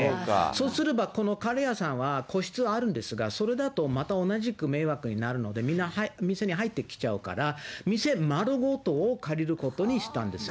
そうすれば、このカレー屋さんは個室あるんですが、それだとまた同じく迷惑になるので、みんな店に入ってきちゃうから、店丸ごとを借りることにしたんです。